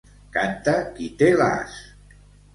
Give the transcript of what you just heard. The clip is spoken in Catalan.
Canta qui té l'as.